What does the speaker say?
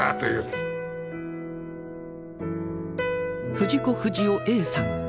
藤子不二雄さん。